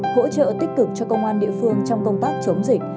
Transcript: hỗ trợ tích cực cho công an địa phương trong công tác chống dịch